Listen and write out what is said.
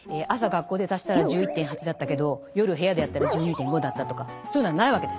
学校で足したら１１．８だったけど夜部屋でやったら１２．５だったとかそういうのはないわけです。